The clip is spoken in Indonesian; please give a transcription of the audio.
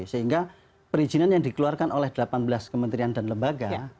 sehingga perizinan yang dikeluarkan oleh delapan belas kementerian dan lembaga